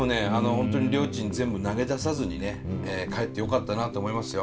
本当にりょーちん全部投げ出さずにね帰ってよかったなと思いますよ